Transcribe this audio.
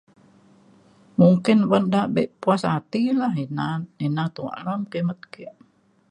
mungkin ban da be' puas hati la ina ina tuak le dalem kimet ke'.